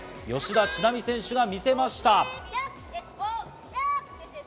吉田知那美選手が見せました。